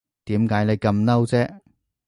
點解你咁嬲啫